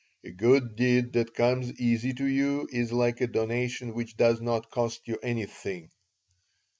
A good deed that comes easy to you is like a donation which does not cost you anything."